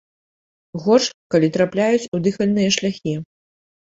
Горш, калі трапляюць у дыхальныя шляхі.